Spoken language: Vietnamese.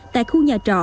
tại khu nhà trọ